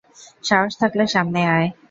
সাহস থাকলে সামনে আয়।